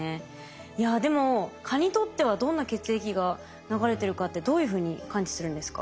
いやでも蚊にとってはどんな血液が流れてるかってどういうふうに感知するんですか？